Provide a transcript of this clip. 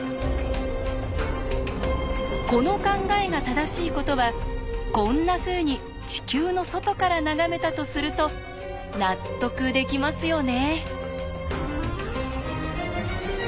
この考えが正しいことはこんなふうに地球の外から眺めたとすると納得できますよね。